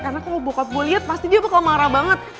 karena kalo bokap gue liat pasti dia bakal marah banget